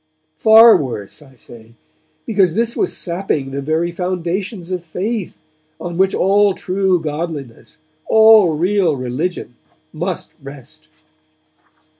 Far worse, I say, because this was sapping the very foundations of faith, on which all true godliness, all real religion, must rest.